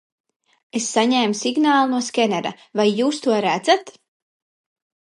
Es saņēmu signālu no skenera, vai jūs to redzat?